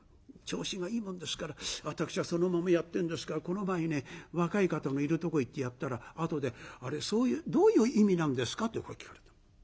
調子がいいもんですから私はそのままやってるんですがこの場合ね若い方のいるとこ行ってやったらあとで「あれどういう意味なんですか？」ってこう聞かれた。